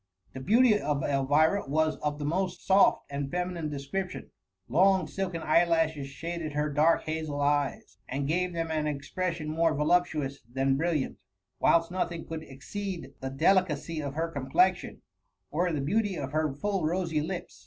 The beauty of Elvint was of the most soft and feminine description ; long silken eyelasfies shaded her dark hazel eyes, and gave them an expression more voluptuous than brilliant, whilst nothing could exceed the deli cacy of her complexion, or the beauty of her full rosy lips.